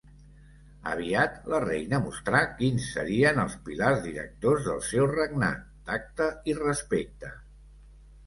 Aviat la reina mostrà quins serien els pilars directors del seu regnat: tacte i respecte.